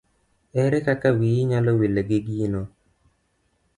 Here kaka wiyi nyalo wil gi gino.